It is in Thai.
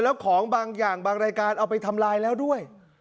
แล้วของบางอย่างบางรายการเอาไปทำลายแล้วด้วย